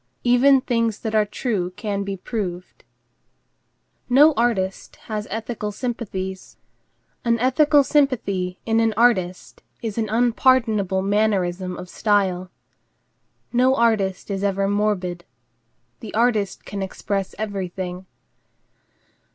Even things that are true can be proved. No artist has ethical sympathies. An ethical sympathy in an artist is an unpardonable mannerism of style. No artist is ever morbid. The artist can express everything.